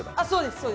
そうです。